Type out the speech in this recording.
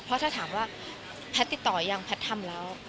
เพราะถ้าถามว่าแพทย์ติดต่อยังแพทย์ทำแล้ว